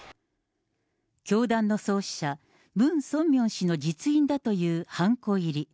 教団の創始者、ムン・ソンミョン氏の実印だというはんこ入り。